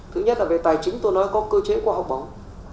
thứ nhất là về tài chính tôi nói có cơ chế khoa học bóng